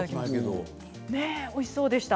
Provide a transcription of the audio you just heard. えおいしそうでした。